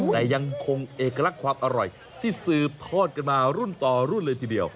แต่ยังคงเอกลักษณ์ความอร่อยที่สืบทอดกันมารุ่นต่อรุ่นเลยทีเดียว